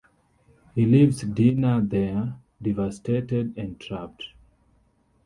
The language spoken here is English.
He leaves Dinah there, devastated and trapped.